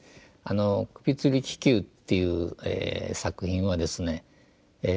「首吊り気球」っていう作品はですね